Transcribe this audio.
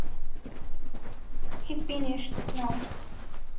He finished no.